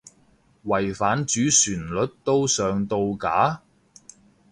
違反主旋律都上到架？